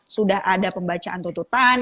sudah ada pembacaan tuntutan